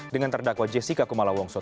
dengan terdakwa jessica kumala wongso